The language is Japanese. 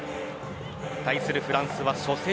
対するフランスは初戦